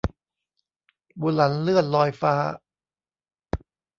บุหลันเลื่อนลอยฟ้า